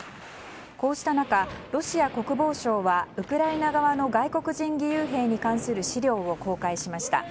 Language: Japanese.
こうした中、ロシア国防省はウクライナ側の外国人義勇兵に関する資料を公開しました。